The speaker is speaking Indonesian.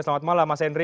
selamat malam mas henry